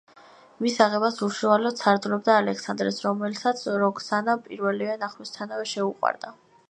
მის აღებას უშუალოდ სარდლობდა ალექსანდრეც, რომელსაც როქსანა პირველივე ნახვისთანავე შეუყვარდა.